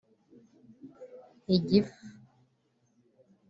Igifu